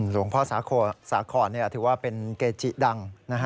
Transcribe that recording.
หลวงพ่อสาครถือว่าเป็นเกจิดัง